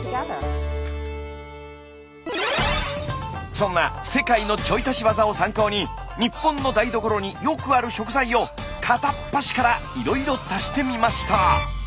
そんな世界のちょい足しワザを参考に日本の台所によくある食材を片っ端からいろいろ足してみました。